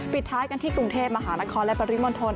ปิดท้ายกันที่กรุงเทพมหานครและปริมณฑล